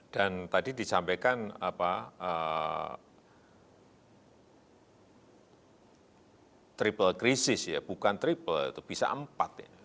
dan tadi disampaikan triple krisis ya bukan triple itu bisa empat